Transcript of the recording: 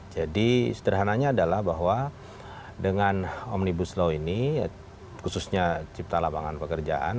jadi sederhananya adalah bahwa dengan omnibus law ini khususnya cipta lapangan pekerjaan